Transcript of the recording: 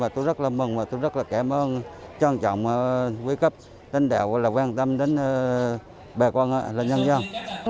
tôi rất là mừng và tôi rất là cảm ơn trân trọng với cấp tính đạo gọi là quan tâm đến bà con là nhân dân